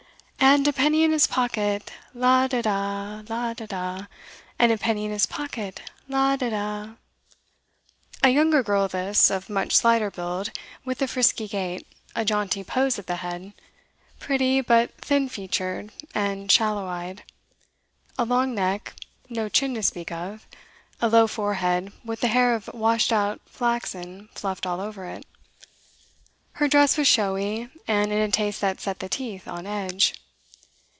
'And a penny in his pocket, la de da, la de da, and a penny in his pocket, la de da!' A younger girl, this, of much slighter build; with a frisky gait, a jaunty pose of the head; pretty, but thin featured, and shallow eyed; a long neck, no chin to speak of, a low forehead with the hair of washed out flaxen fluffed all over it. Her dress was showy, and in a taste that set the teeth on edge.